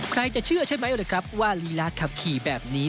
ใครจะเชื่อใช่ไหมนะครับว่าลีลาร์คับขี่แบบนี้